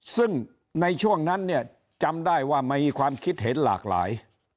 ซึ่งในช่วงนั้นเนี่ยจำได้ว่ามีความคิดเห็นหลากหลาย